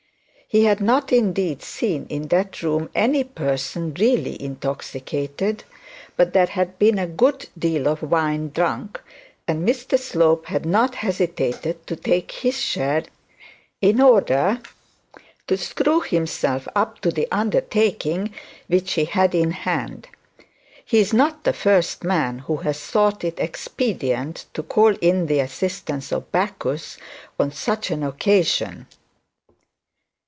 He had not indeed seen in that room any person really intoxicated; but there had been a good deal of wine drunk, and Mr Slope had not hesitated to take his share, in order to screw himself up to the undertaking which he had in hand. He is not the first man who has thought it expedient to call in the assistance of Bacchus on such an occasion.